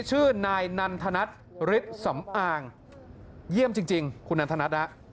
ชื่อนายนันทนัทฤทธิ์สำอางเยี่ยมจริงคุณนันทนัทนะ